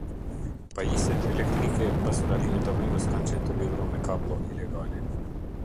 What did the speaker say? Pajisjet elektrike pas ndalimit të rrymës kanë qenë të lidhura me kabllo ilegale.